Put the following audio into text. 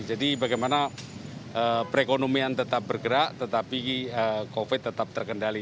jadi bagaimana perekonomian tetap bergerak tetapi covid tetap terkendali